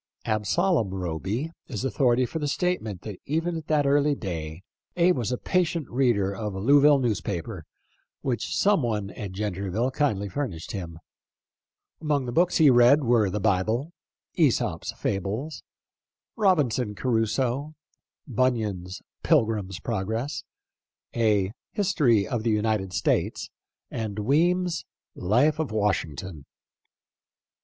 Absalom Roby is authority for the statement that even at that early day Abe was a patient reader of a Louisville newspaper, which some one at Gentryville kindly furnished him. Among the books he read were the Bible, " ^sop's Fables," 4P THE LIFE OF LINCOLN. " Robinson Crusoe," Bunyan's " Pilgrim's Progress," a "History of the United States," and Weems' "Life of Washington."